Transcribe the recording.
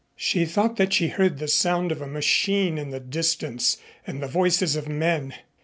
She thought that she heard the sound of a machine in the distance and the voices of men.